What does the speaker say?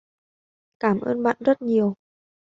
cảm ơn bạn rất nhiều